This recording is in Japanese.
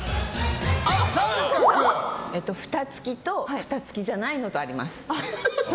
ふた付きとふた付きじゃないのがあります。